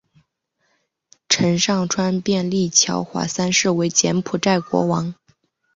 陈上川便立乔华三世为柬埔寨国王。